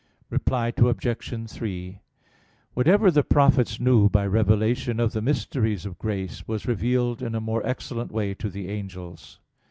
Reply Obj. 3: Whatever the prophets knew by revelation of the mysteries of grace, was revealed in a more excellent way to the angels.